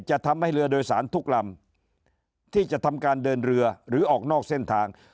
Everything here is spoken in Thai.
จะทำให้เรือโดยสารทุกลำที่จะทำการเดินเรือหรือออกนอกเส้นทาง